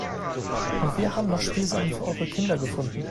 Und wir haben noch Spielsachen für eure Kinder gefunden.